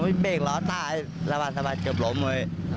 ผมเบ้กล้อต้าระวังเกือบล้มเลย